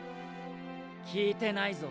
聞いてないぞ。